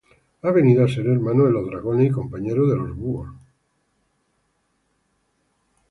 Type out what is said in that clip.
He venido á ser hermano de los dragones, Y compañero de los buhos.